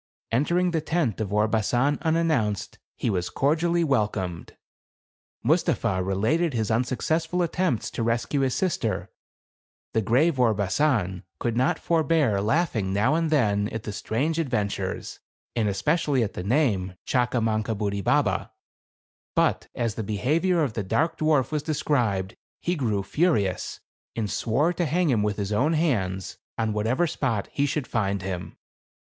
Entering the tent of Orbasan unannounced, he was cordially welcomed. Mustapha related his unsuccessful attempts to THE CAB AVAN. 185 rescue his sister. The grave Orbasan could not forbear laughing now and then at the strange adventures, and especially at the name, Chaka mankabudibaba. But as the behavior of the dark dwarf was described, he grew furious, and swore to hang him with his own hands, on what ever spot he should find him.